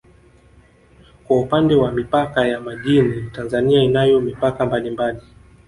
Kwa upande wa mipaka ya majini Tanzania inayo mipaka mbalimbali